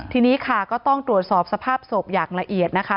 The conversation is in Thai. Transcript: ทีนี้ค่ะก็ต้องตรวจสอบสภาพศพอย่างละเอียดนะคะ